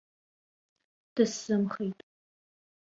Дысзымхеит.